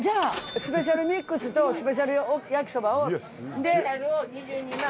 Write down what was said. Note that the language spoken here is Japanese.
スペシャルミックスとスペシャル焼きそばを。